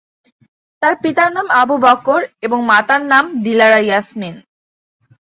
তার পিতার নাম আবু বকর এবং মাতার নাম দিলারা ইয়াসমিন।